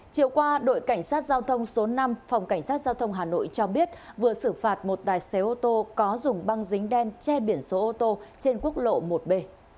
chiều qua đội cảnh sát giao thông số năm phòng cảnh sát giao thông hà nội cho biết vừa xử phạt một tài xế ô tô có dùng băng dính đen che biển số ô tô trên quốc lộ một b